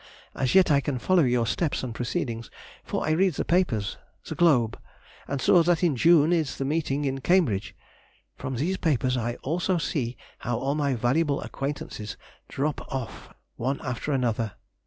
As yet I can follow your steps and proceedings, for I read the papers—the Globe—and saw that in June is the meeting in Cambridge.... From these papers I also see how all my valuable acquaintances drop off one after another.